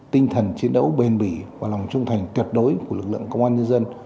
tinh thần chiến đấu bền bỉ và lòng trung thành tuyệt đối của lực lượng công an nhân dân